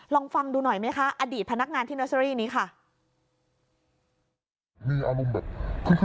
ลองฟังดูหน่อยไหมคะอดีตพนักงานที่เนอร์เซอรี่นี้ค่ะ